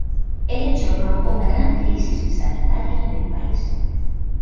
El hecho provocó una gran crisis sanitaria en el país.